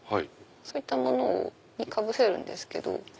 そういったものにかぶせるんですけど。